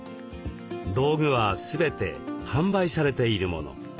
道具は全て販売されているもの。